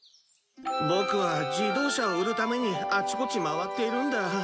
ボクは自動車を売るためにあちこち回っているんだ。